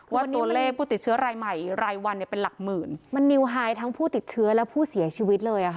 ว่าตัวเลขผู้ติดเชื้อรายใหม่รายวันเนี่ยเป็นหลักหมื่นมันนิวไฮทั้งผู้ติดเชื้อและผู้เสียชีวิตเลยอ่ะค่ะ